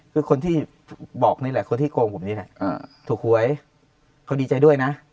คือคนที่บอกนี่แหละคนที่โกงผมนี่แหละถูกหวยเขาดีใจด้วยนะ